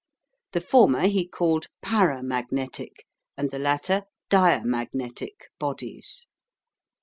The former he called paramagnetic and the latter diamagnetic bodies.